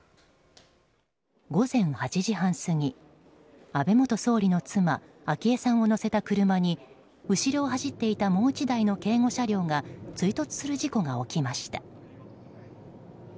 午前８時半過ぎ安倍元総理の妻・昭恵さんを乗せた車に後ろを走っていたもう１台の警護車両が追突する事故が起きました。